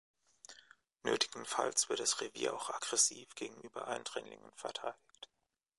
Nötigenfalls wird das Revier auch aggressiv gegenüber Eindringlingen verteidigt.